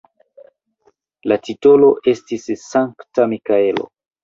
La titolo estis Sankta Mikaelo.